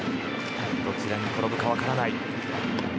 どちらに転ぶかまだ分からない。